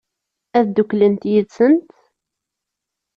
Ad dduklent yid-sent?